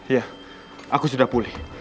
iya aku sudah pulih